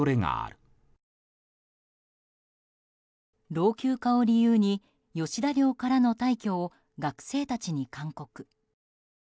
老朽化を理由に吉田寮からの退去を学生たちに勧告。